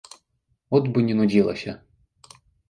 От бы не нудзілася!